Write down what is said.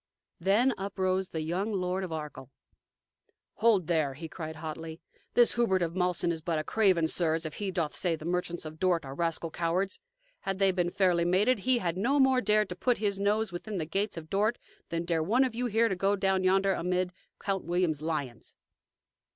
Then uprose the young Lord of Arkell. "Hold, there!" he cried hotly. "This Hubert of Malsen is but a craven, sirs, if he doth say the merchants of Dort are rascal cowards. Had they been fairly mated, he had no more dared to put his nose within the gates of Dort than dare one of you here to go down yonder amid Count William's lions!"